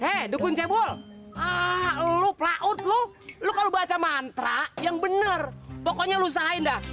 eh dukun cebul lu pelaut lu lu kalau baca mantra yang bener pokoknya lu usahain dah